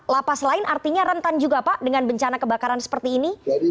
lapas lain artinya rentan juga pak dengan bencana kebakaran seperti ini